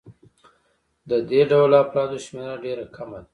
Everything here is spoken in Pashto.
د دې ډول افرادو شمېره ډېره کمه ده